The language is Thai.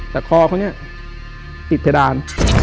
แต่คอเขาเนี่ยติดเพดาน